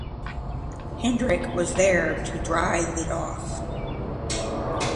Hendrick was there to drive it off.